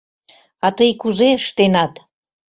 — А тый кузе ыштенат?